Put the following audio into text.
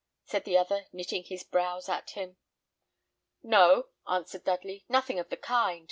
said the other, knitting his brows at him. "No," answered Dudley; "nothing of the kind.